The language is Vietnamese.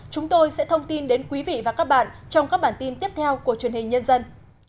chúng tôi sẽ thông tin đến quý vị và các bạn trong các bản tin tiếp theo của truyền hình nhân dân